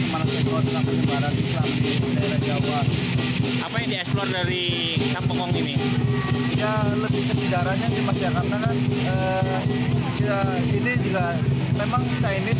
karena kan ya ini juga memang chinese